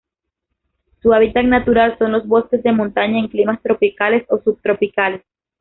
Su hábitat natural son los bosques de montaña en climas tropicales o subtropicales.